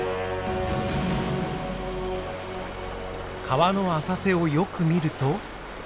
川の浅瀬をよく見ると。